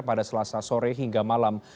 pada selasa sore hingga malam